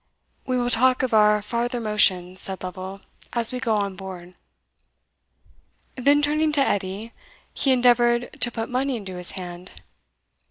"We will talk of our farther motions," said Lovel, "as we go on board." Then turning to Edie, he endeavoured to put money into his hand.